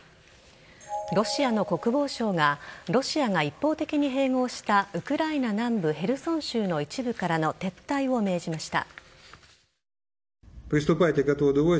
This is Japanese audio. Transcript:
ロシアの国防相がロシアが一方的に併合したウクライナ南部ヘルソン州の一部からの撤退を命じました。